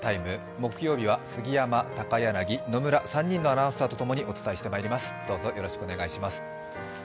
木曜日は杉山、高柳、野村、３人のアナウンサーとともにお伝えしてまいります。